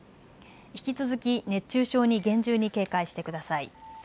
引き続き熱中症に厳重に警戒してください。